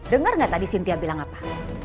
dengar gak tadi cynthia bilang apa